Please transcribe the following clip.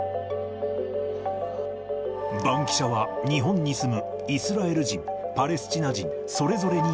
バンキシャは日本に住むイスラエル人、パレスチナ人、それぞれに